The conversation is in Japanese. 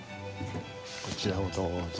こちらをどうぞ。